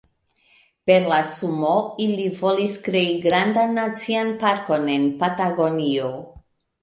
Per la sumo ili volis krei grandan nacian parkon en Patagonio.